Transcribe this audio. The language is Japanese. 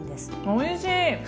おいしい！